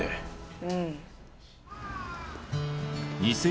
うん。